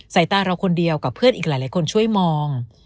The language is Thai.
สายตาเราคนเดียวกับเพื่อนอีกหลายคนช่วยมอง